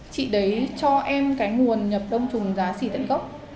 chị đấy cho em cái nguồn nhập đông trùng giá xỉ tận gốc